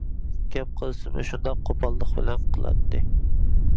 گەپ قىلسىمۇ شۇنداق قوپاللىق بىلەن قىلاتتى.